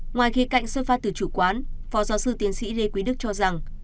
ngoài khía cạnh xuất phát từ chủ quán phó giáo sư tiến sĩ lê quý đức cho rằng